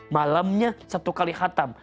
malamnya satu kali khatam